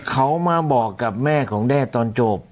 เขามาบอกกับแม่ของแด้ตอนจบ